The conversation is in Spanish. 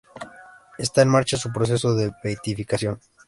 Está en marcha su proceso de beatificación.